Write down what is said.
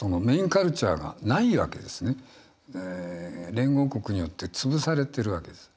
連合国によって潰されてるわけです。